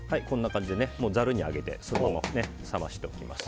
ざるに上げてそのまま冷ましておきます。